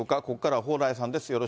ここからは蓬莱さんです。